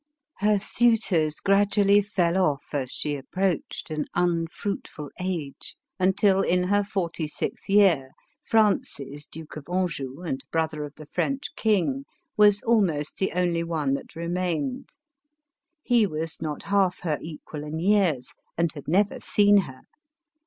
Her suitors gradually fell off as she approached an unfruitful age, until in her forty sixth year, Francis, Duke of Anjou and bfother of the French king, was almost the only one that remained. He was not half her equal in years, and had never seen her.